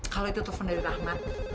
kalau itu telepon dari rahmat